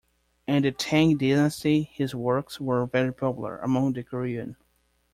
In the Tang Dynast, his works were very popular among the Korean.